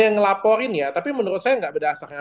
yang ngelaporin ya tapi menurut saya nggak berdasarnya